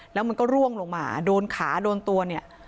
แล้วมันก็ร่วงลงมาโดนขาโดนตัวเนี่ย